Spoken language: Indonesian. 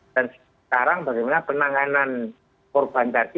dan sekarang bagaimana penanganan korban tadi penuh empati